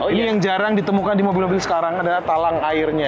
ini yang jarang ditemukan di mobil mobil sekarang adalah talang airnya